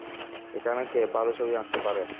এখানে কে ভালো ছবি আঁকতে পারে?